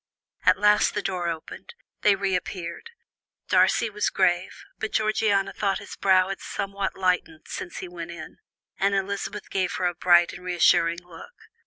At last the door opened; they reappeared; Darcy was grave, but Georgiana thought his brow had somewhat lightened since he went in, and Elizabeth gave her a bright and reassuring look.